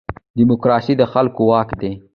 دیموکراسي د خلکو واک دی